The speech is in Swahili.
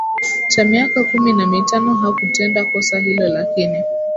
cha miaka kumi na mitano hakutenda kosa hilo lakini